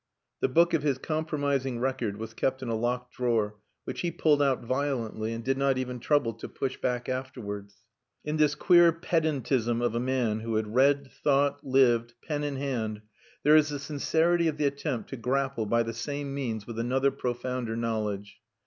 The book of his compromising record was kept in a locked drawer, which he pulled out violently, and did not even trouble to push back afterwards. In this queer pedantism of a man who had read, thought, lived, pen in hand, there is the sincerity of the attempt to grapple by the same means with another profounder knowledge.